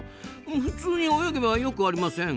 普通に泳げばよくありません？